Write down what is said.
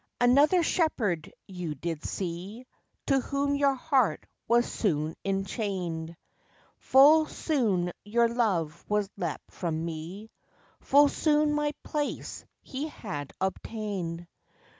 Another Shepherd you did see To whom your heart was soon enchainèd; Full soon your love was leapt from me, Full soon my place he had obtainèd.